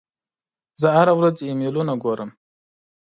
زه هره ورځ ایمیلونه ګورم.